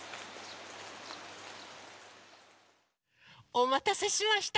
おまたせしました！